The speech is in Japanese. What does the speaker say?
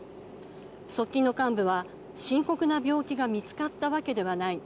側近の幹部は深刻な病気が見つかったわけではない。